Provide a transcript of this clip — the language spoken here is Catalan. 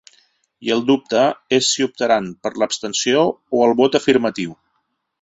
I el dubte és si optaran per l’abstenció o el vot afirmatiu.